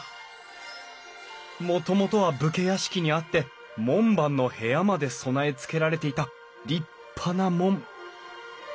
もともとは武家屋敷にあって門番の部屋まで備えつけられていた立派な門。